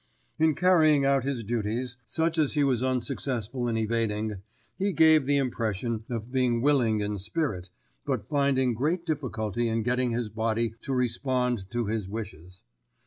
In carrying out his duties, such as he was unsuccessful in evading, he gave the impression of being willing in spirit, but finding great difficulty in getting his body to respond to his wishes.